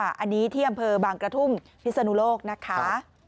อันนี้ที่อำเภอบางกระทุ่มพิศนุโลกนะคะ